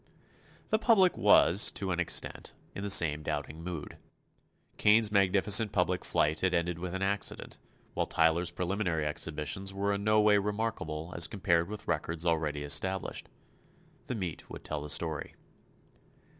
The public was, to an extent, in the same doubting mood. Kane's magnificent public flight had ended with an accident, while Tyler's preliminary exhibitions were in no way remarkable as compared with records already established. The meet would tell the story.